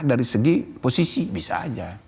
dari segi posisi bisa aja